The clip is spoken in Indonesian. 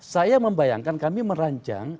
saya membayangkan kami merancang